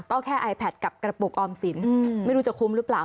ก็แค่ไอแพทกับกระปุกออมสินไม่รู้จะคุ้มหรือเปล่า